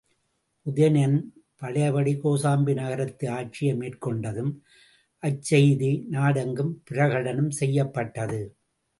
உதயணன் பழையபடி கோசாம்பி நகரத்து ஆட்சியை மேற்கொண்டதும் அச் செய்தி நாடெங்கும் பிரகடனம் செய்யப்பட்டது.